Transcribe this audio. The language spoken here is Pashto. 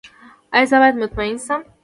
ایا زه باید مطمئن شم؟